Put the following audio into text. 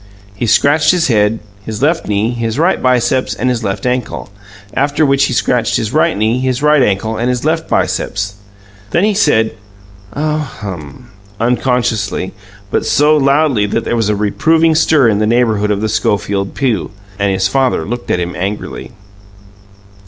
He scratched his head, his left knee, his right biceps and his left ankle, after which he scratched his right knee, his right ankle and his left biceps. Then he said, "Oh, hum!" unconsciously, but so loudly that there was a reproving stir in the neighbourhood of the Schofield pew, and his father looked at him angrily.